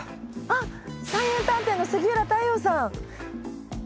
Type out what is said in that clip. あっ菜園探偵の杉浦太陽さん！